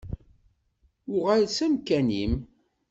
Uɣal s amkan-im.